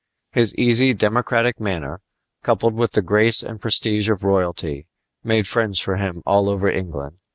His easy, democratic manner, coupled with the grace and prestige of royalty, made friends for him all over England.